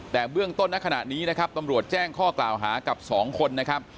แต่เบื้องต้นในขณะนี้นะครับตำรวจแจ้งข้อกล่าวหากับ๒คนนะครับ